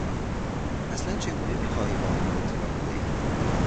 اصلا چگونه میخواهی به آنها اطلاع بدهی؟